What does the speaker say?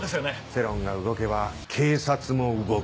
世論が動けば警察も動く。